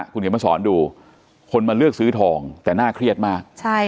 คุณเขียนมาสอนดูคนมาเลือกซื้อทองแต่น่าเครียดมาก